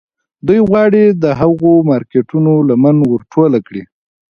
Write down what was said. دوی غواړي د هغو مارکیټونو لمن ور ټوله کړي